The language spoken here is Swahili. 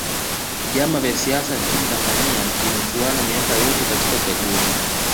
vyama vya siasa nchini tanzania vinachuana miaka yote katika chaguzi